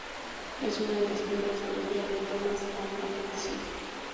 Es una de las primeras películas de Thomas Alva Edison.